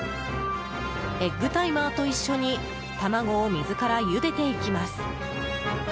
エッグタイマーと一緒に卵を水からゆでていきます。